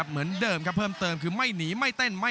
กรุงฝาพัดจินด้า